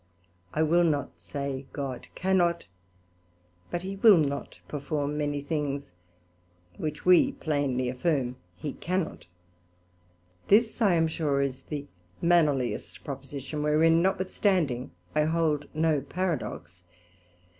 I will not say God cannot, but he will not perform many things, which we plainly affirm he cannot: this I am sure is the mannerliest proposition, wherein, notwithstanding, I hold no Paradox.